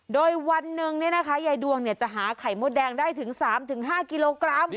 โดยวันหนึ่งเนี่ยนะคะยายดวงเนี่ยจะหาไข่มดแดงได้ถึง๓๕กิโลกรัม